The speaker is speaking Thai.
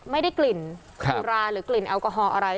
ไม่ได้กลิ่นสุราหรือกลิ่นแอลกอฮอล์อะไร